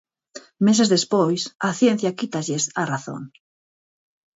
Meses despois, a ciencia quítalles a razón.